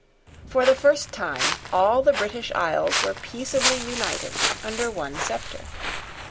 For the first time all the British isles were peaceably united under one sceptre.